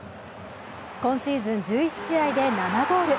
今シーズン１１試合で７ゴール。